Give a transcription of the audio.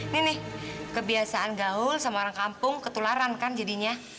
ini nih kebiasaan gaul sama orang kampung ketularan kan jadinya